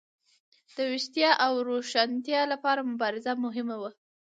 د ویښتیا او روښانتیا لپاره مبارزه مهمه وه.